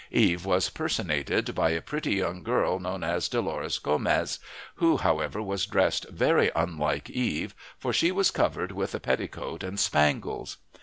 Eve was personated by a pretty young girl known as Dolores Gomez, who, however, was dressed very unlike Eve, for she was covered with a petticoat and spangles.